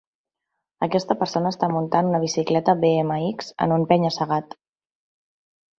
Aquesta persona està muntant una bicicleta BMX en un penya-segat.